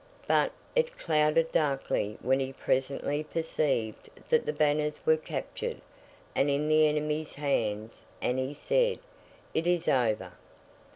But, it clouded darkly when he presently perceived that the banners were captured, and in the enemy's hands; and he said, 'It is over.